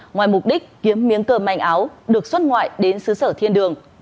ngoài mục đích kiếm miếng cơm manh áo được xuất ngoại đến xứ sở thiên đường